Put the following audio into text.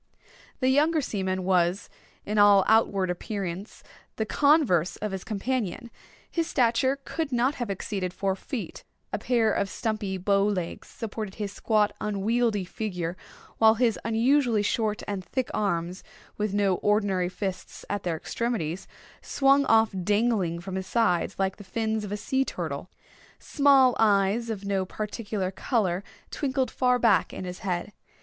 The younger seaman was, in all outward appearance, the converse of his companion. His stature could not have exceeded four feet. A pair of stumpy bow legs supported his squat, unwieldy figure, while his unusually short and thick arms, with no ordinary fists at their extremities, swung off dangling from his sides like the fins of a sea turtle. Small eyes, of no particular color, twinkled far back in his head.